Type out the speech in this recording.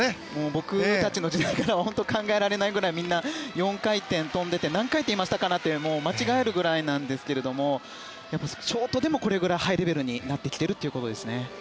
僕たちの時代からは考えられないぐらい４回転を跳んでいて何回転したかなという間違えるぐらいなんですけどもショートでもこれぐらいハイレベルになってきてますね。